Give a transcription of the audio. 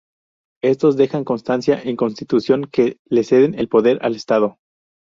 Estos dejan constancia en constitución que le ceden el poder al Estado.